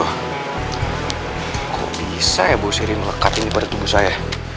kok bisa ya bu siri melekat ini pada tubuh saya